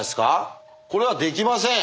これはできません。